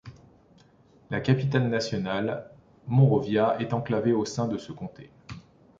La capitale nationale, Monrovia est enclavée au sein de ce comté.